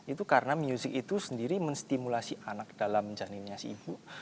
itu karena music itu sendiri menstimulasi anak dalam janinnya si ibu